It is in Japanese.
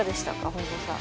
本郷さん。